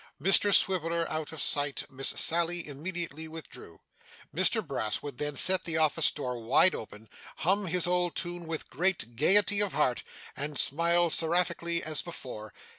Mr Swiveller out of sight, Miss Sally immediately withdrew. Mr Brass would then set the office door wide open, hum his old tune with great gaiety of heart, and smile seraphically as before.